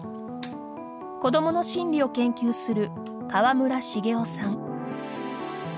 子どもの心理を研究する河村茂雄さん。